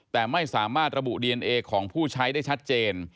แต่ไม่สามารถระบุดีเอนเอของผู้ใช้ได้ชัดเจน